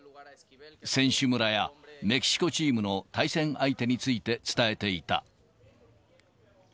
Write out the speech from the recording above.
選手村や、メキシコチームの対戦相手について伝えていた。